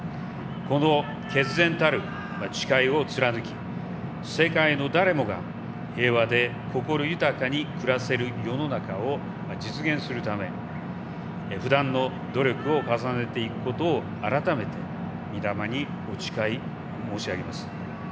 この決然たる誓いを貫き世界の誰もが平和で心豊かに暮らせる世の中を実現するため不断の努力を重ねていくことを改めて御霊にお誓い申し上げます。